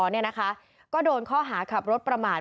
เนี่ยนะคะก็โดนข้อหาขับรถประมาท